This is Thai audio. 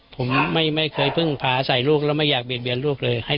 ผมไม่เคยพึ่งพาใส่ลูกแล้วไม่อยากเบียดเบียนลูกเลย